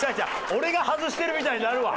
俺が外してるみたいになるわ！